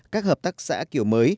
các hợp tác xã kiểu mới